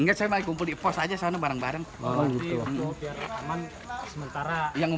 enggak saya malah kumpul di pos aja sana bareng bareng